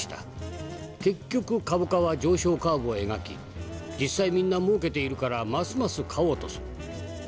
結局株価は上昇カーブを描き実際みんなもうけているからますます買おうとする。